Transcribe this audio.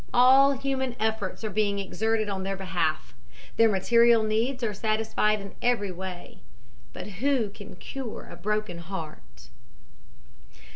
All human efforts are being exerted on their behalf. Their material needs are satisfied in every way. But who can cure a broken heart?